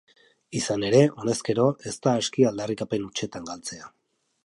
Izan ere, honezkero, ez da aski aldarrikapen hutsetan galtzea.